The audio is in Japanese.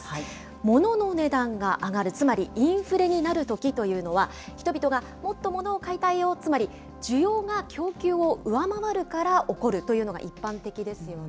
モノの値段が上がる、つまりインフレになるときというのは、人々がもっとモノを買いたいよ、つまり、需要が供給を上回るから起こるというのが一般的ですよね。